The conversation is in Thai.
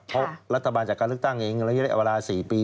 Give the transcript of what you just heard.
เพราะรัฐบาลจากการเลือกตั้งเองระยะเวลา๔ปี